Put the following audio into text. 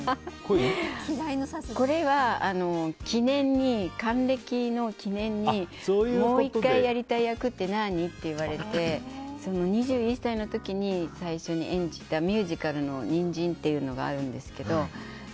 これは、還暦の記念にもう１回やりたい役は何？と言われて、２１歳の時に最初に演じたミュージカルの「にんじん」っていうのがあるんですけど。